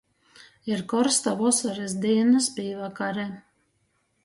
Ir korsta vosorys dīnys pīvakare.